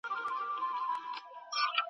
پس فکر وکړئ.